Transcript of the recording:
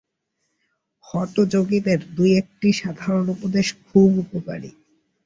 হঠযোগীদের দুই-একটি সাধারণ উপদেশ খুব উপকারী।